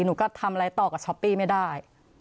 หนูก็ทำอะไรต่อกับช้อปปี้ไม่ได้